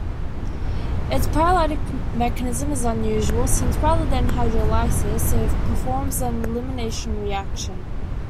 Its proteolytic mechanism is unusual since, rather than hydrolysis, it performs an elimination reaction.